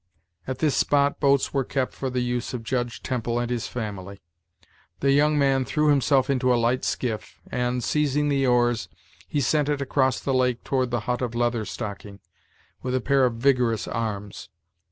At this spot boats were kept for the use of Judge Temple and his family. The young man threw himself into a light skiff, and, seizing the oars, he sent it across the lake toward the hut of Leather Stocking, with a pair of vigorous arms.